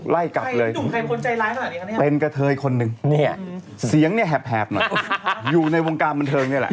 ไล่กลับเลยเป็นกระเทยคนนึงเนี่ยเสียงเนี่ยแหบหน่อยอยู่ในวงการบันเทิงนี่แหละ